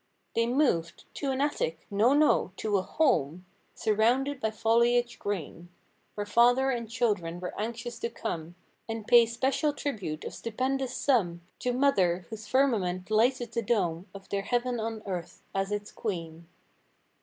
They moved! To an attic? No, No!—to a home. Surrounded by foliage green. Where father and children were anxious to come, 226 And pay special tribute of stupenduous sum To mother! whose firmament lighted the dome Of their heaven on earth—as its queen.